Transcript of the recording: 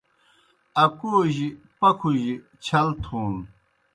اکوجیْ پکھوْجیْ چھل تھون